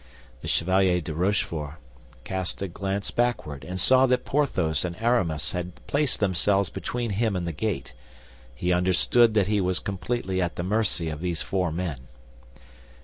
The Chevalier de Rochefort cast a glance backward, and saw that Porthos and Aramis had placed themselves between him and the gate; he understood that he was completely at the mercy of these four men.